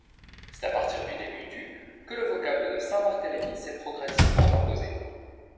C'est à partir du début du que le vocable de Saint-Barthélemy s'est progressivement imposé.